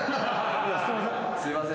すいません。